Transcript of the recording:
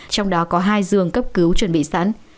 trong đó có hai giường cấp cứu chuẩn bị sẵn